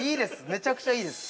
めちゃくちゃいいです。